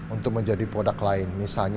untuk menjadi produk lain